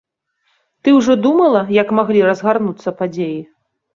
Ты ўжо думала, як маглі разгарнуцца падзеі?